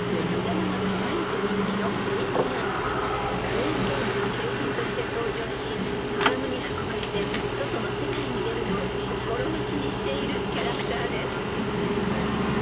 ［クレーンゲームの景品として登場しアームに運ばれて外の世界に出るのを心待ちにしているキャラクターです］